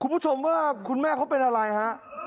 คุณผู้ชมว่าคุณแม่เขาเป็นอะไรฮะ